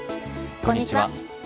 こんにちは。